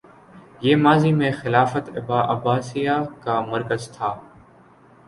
یہ ماضی میں خلافت عباسیہ کا مرکز تھا